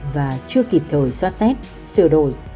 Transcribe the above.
và chưa kịp thời soát xét sửa đổi